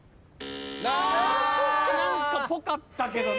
何かぽかったけどね。